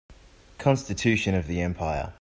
Constitution of the empire.